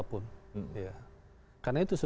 dengan siapa pun